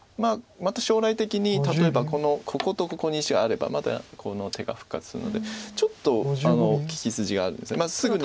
また将来的に例えばこことここに石があればまたこの手が復活するのでちょっと利き筋があるんです。